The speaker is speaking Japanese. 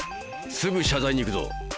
すぐ謝罪に行くぞ！